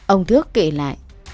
ông thước kể lại